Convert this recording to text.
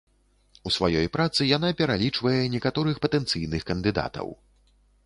У сваёй працы яна пералічвае некаторых патэнцыйных кандыдатаў.